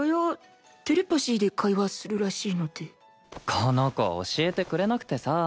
この子教えてくれなくてさ。